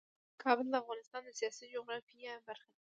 کابل د افغانستان د سیاسي جغرافیه برخه ده.